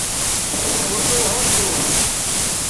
تو بھوڇؤ ھُن تھو